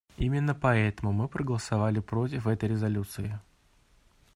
Именно поэтому мы проголосовали против этой резолюции.